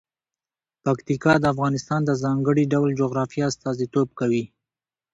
پکتیکا د افغانستان د ځانګړي ډول جغرافیه استازیتوب کوي.